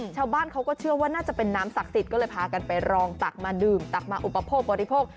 ชาวบ้านเขาก็เชื่อว่าน่าจะเป็นน้ำศักดิ์สิทธิ์ก็เลยพากันไปรองตักมาดื่มตักมาอุปโภคบริโภค